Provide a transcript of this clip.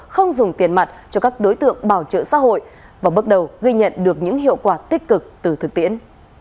không dùng tiền mặt cho các đối tượng bảo trợ xã hội và bước đầu ghi nhận được những hiệu quả tích cực từ thực tiễn